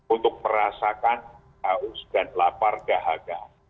untuk merasakan haus dan lapar dahaga